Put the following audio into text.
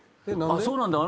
そうなんだ。